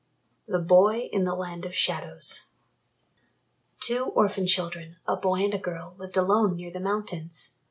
THE BOY IN THE LAND OF SHADOWS Two orphan children, a boy and a girl, lived alone near the mountains.